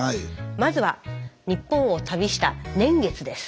まずは日本を旅した年月です。